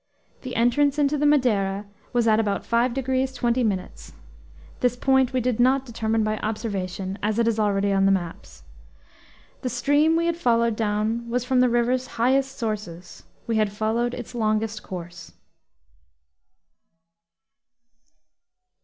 The entrance into the Madeira was at about 5 degrees 20 minutes (this point we did not determine by observation, as it is already on the maps). The stream we had followed down was from the river's highest sources; we had followed its longest course.